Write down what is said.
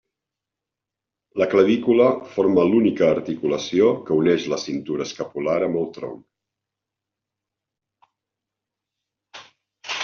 La clavícula forma l'única articulació que uneix la cintura escapular amb el tronc.